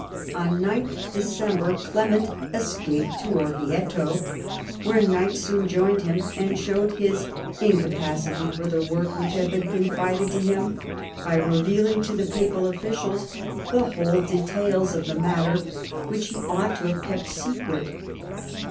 On 9th December Clement escaped to Orvieto, where Knight soon joined him, and showed his incapacity for the work which had been confided to him by revealing to the papal officials the whole details of the matter, which he ought to have kept secret.